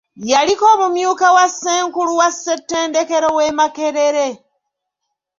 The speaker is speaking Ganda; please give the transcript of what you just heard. Yaliko omumyuka wa Ssenkulu wa ssettendekero w’e Makerere.